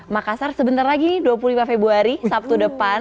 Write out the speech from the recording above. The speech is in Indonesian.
makassar sebentar lagi nih dua puluh lima februari sabtu depan